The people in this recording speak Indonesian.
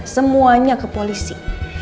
semuanya ke polisi